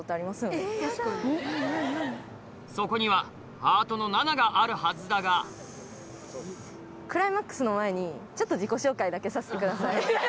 そこにはハートの７があるはずだがクライマックスの前にちょっと自己紹介だけさせてください。